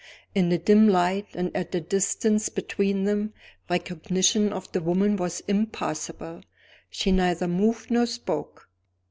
In the dim light, and at the distance between them, recognition of the woman was impossible. She neither moved nor spoke.